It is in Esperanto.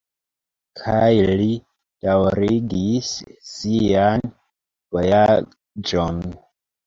Kaj li daŭrigis sian vojaĝon.